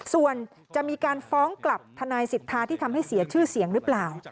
ส่วนจะมีการฟ้องกลับทนายสิทธาที่ทำให้เสียชื่อเสียงหรือเปล่า